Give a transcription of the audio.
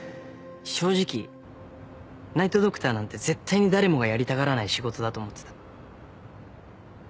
正直ナイト・ドクターなんて絶対に誰もがやりたがらない仕事だと思ってた。